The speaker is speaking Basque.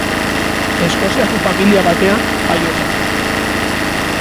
Eskoziako familia batean jaio zen.